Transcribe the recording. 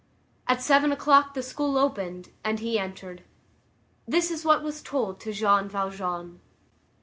At seven o'clock the school opened, and he entered. That is what was told to Jean Valjean.